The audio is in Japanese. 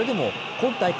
今大会